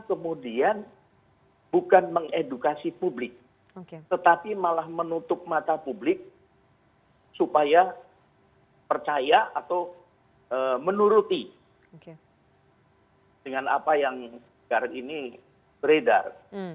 kemudian bukan mengedukasi publik tetapi malah menutup mata publik supaya percaya atau menuruti dengan apa yang sekarang ini beredar